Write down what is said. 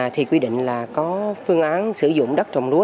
thì quy định là có phương án sử dụng đất trồng lúa